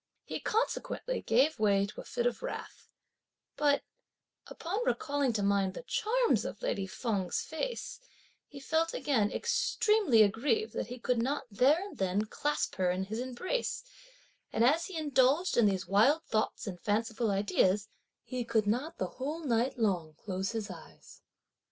He consequently gave way to a fit of wrath; but upon recalling to mind the charms of lady Feng's face, he felt again extremely aggrieved that he could not there and then clasp her in his embrace, and as he indulged in these wild thoughts and fanciful ideas, he could not the whole night long close his eyes.